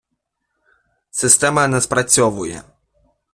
Система не спрацьовує.